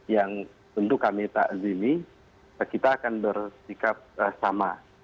yang tentu kami takzimi kita akan bersikap sama